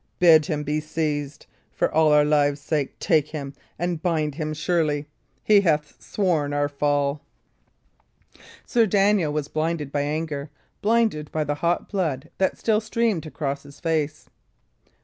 bid him be seized! For all our lives' sakes, take him and bind him surely! He hath sworn our fall." Sir Daniel was blinded by anger blinded by the hot blood that still streamed across his face.